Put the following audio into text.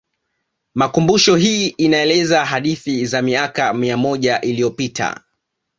Makumbusho hii inaeleza hadithi za miaka miaka mia moja iliyopita